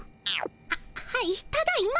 あっはいただいま。